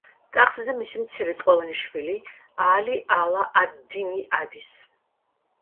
ტახტზე მისი მცირეწლოვანი შვილი ალი ალა ად-დინი ადის.